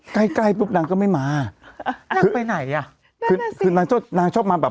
ใกล้ใกล้ปุ๊บนางก็ไม่มานั่งไปไหนอ่ะคือนางชอบมาแบบ